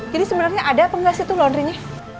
jadi sebenernya ada apa gak sih tuh laundry nya